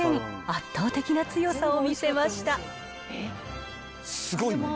圧倒的な強さを見せました。